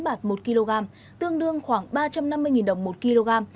bạt một kg tương đương khoảng ba trăm năm mươi đồng một kg